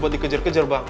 duh kejar loh kejar